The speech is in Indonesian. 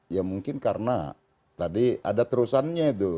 ya mungkin karena tadi ada terusannya itu